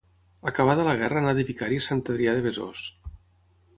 Acabada la guerra anà de vicari a Sant Adrià de Besòs.